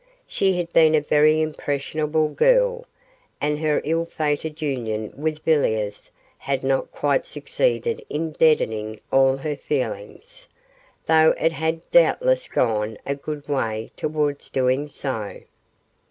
She had been a very impressionable girl, and her ill fated union with Villiers had not quite succeeded in deadening all her feelings, though it had doubtless gone a good way towards doing so.